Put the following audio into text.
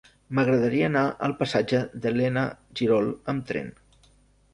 M'agradaria anar al passatge d'Elena Girol amb tren.